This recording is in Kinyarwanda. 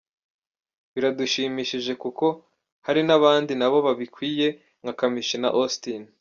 Biradushimishije kuko hari n’abandi nabo babikwiye nka Kamichi na Austin”.